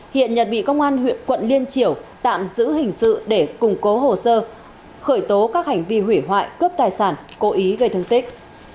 hiện nhật bị công an huyện quận liên triểu tạm giữ hình sự để củng cố hồ sơ khởi tố các hành vi hủy hoại cướp tài sản cố ý gây thương tích